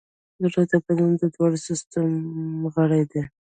زړه د بدن د دوران سیستم یو مهم غړی دی.